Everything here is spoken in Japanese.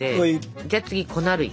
じゃあ次粉類。